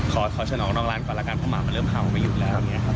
ขอฉนอกนอกร้านก่อนละกันเพราะหมามันเริ่มเข้าไปหยุดแล้ว